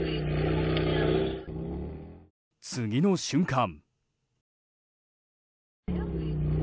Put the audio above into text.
次の瞬間。